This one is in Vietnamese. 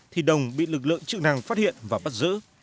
thì đồng bị lực lượng chức năng phát hiện và bắt giữ